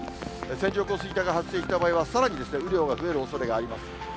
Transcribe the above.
線状降水帯が発生した場合は、さらに雨量が増えるおそれがあります。